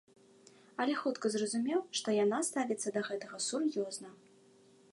Але хутка зразумеў, што яна ставіцца да гэтага сур'ёзна.